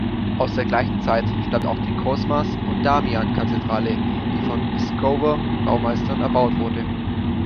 Aus der gleichen Zeit stammt auch die Cosmas-und-Damian-Kathedrale, die von Pskower Baumeistern erbaut wurde.